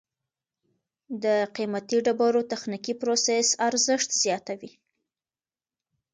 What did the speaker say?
د قیمتي ډبرو تخنیکي پروسس ارزښت زیاتوي.